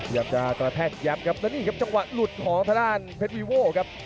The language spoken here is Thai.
ยับจากตลาดแพทยับครับแล้วนี่ครับจังหวะหลุดของทะดานเพชรวีโว่ครับ